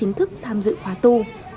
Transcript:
sinh chính thức tham dự khóa tu